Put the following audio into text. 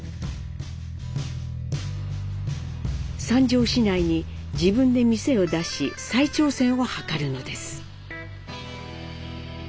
三条市内に自分で店を出し再挑戦を図るのです。